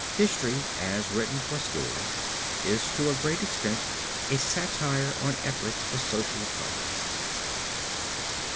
History as written for schools is to a great extent a satire on efforts for social progress.